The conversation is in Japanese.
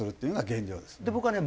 僕はね